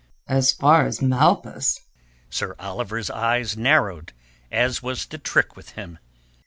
"As far as Malpas?" Sir Oliver's eyes narrowed, as was the trick with him.